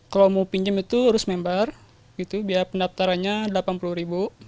kalau mau pinjam itu harus member biaya pendaftarannya delapan puluh ribu